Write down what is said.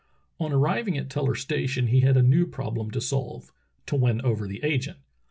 On arriving at Teller station he had a new problem to solve — to win over the agent.